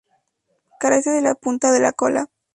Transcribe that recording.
Carece de la punta de la cola.